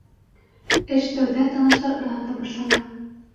Эш тәүҙә таныштар араһында башлана.